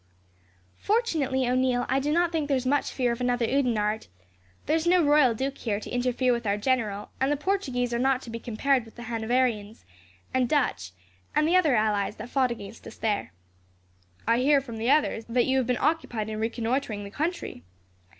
"Fortunately, O'Neil, I do not think there is much fear of another Oudenarde. There is no royal duke here, to interfere with our general; and the Portuguese are not to be compared with the Hanoverians, and Dutch, and the other allies that fought against us there." "I hear, from the others, that you have been occupied in reconnoitring the country."